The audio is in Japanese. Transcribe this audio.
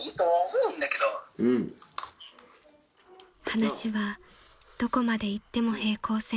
［話はどこまで行っても平行線］